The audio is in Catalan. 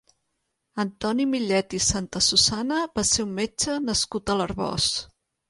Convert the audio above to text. Antoni Millet i Santasusanna va ser un metge nascut a l'Arboç.